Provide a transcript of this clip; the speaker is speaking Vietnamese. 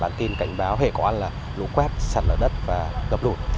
bản tin cảnh báo hệ quản là lũ quét sẵn ở đất và gập đột